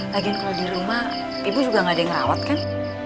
lagian kalau di rumah ibu juga nggak ada yang merawat kan